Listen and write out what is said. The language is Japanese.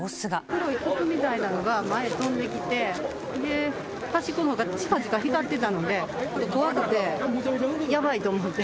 黒い筒みたいなものが前へ飛んできて、端っこのほうがちかちか光っていたので、怖くて、やばいと思って。